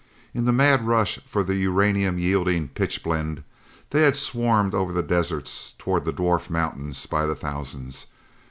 In the mad rush for the uranium yielding pitchblende, they had swarmed over the deserts toward the dwarf mountains by the thousands.